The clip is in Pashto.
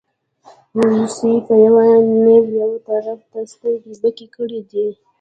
هوسۍ په یوه نېب یوه طرف ته سترګې بکې کړې دي.